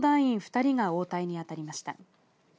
２人が応対に当たりました。